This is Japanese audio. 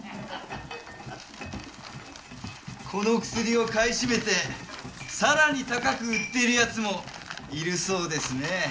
この薬を買い占めてさらに高く売っている奴もいるそうですね。